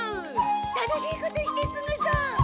楽しいことしてすごそう！